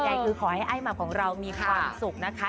ใหญ่คือขอให้ไอ้หม่ำของเรามีความสุขนะคะ